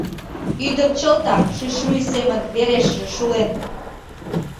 Ӱдыр чылтак шӱшмӱй семын верешыже шулен.